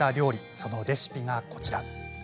そのレシピがこちら。